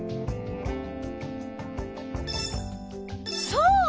そう。